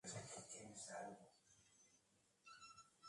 Luis Augusto Castro Quiroga y el Obispo de Palmira Mons.